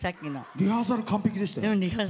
リハーサルは完璧でしたよ。